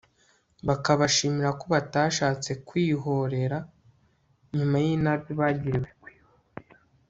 bakabashimira ko batashatse kwihorera nyuma y'inabi bagiriwe